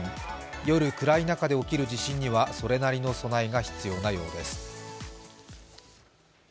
夜、暗い中で起きる地震にはそれなりの備えが必要なようです。